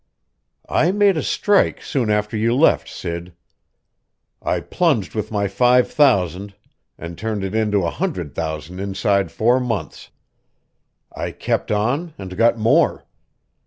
"I made a strike soon after you left, Sid. I plunged with my five thousand, and turned it into a hundred thousand inside four months. I kept on, and got more.